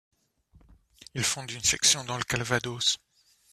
Il fonde une section dans le Calvados.